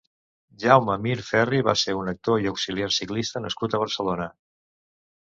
Jaume Mir Ferri va ser un actor i auxiliar ciclista nascut a Barcelona.